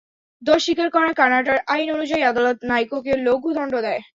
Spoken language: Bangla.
দোষ স্বীকার করায় কানাডার আইন অনুযায়ী আদালত নাইকোকে লঘু দণ্ড দেয়।